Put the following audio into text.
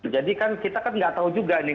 jadi kan kita kan nggak tahu juga nih